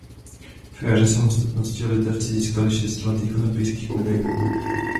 V éře samostatnosti Litevci získali šest zlatých olympijských medailí.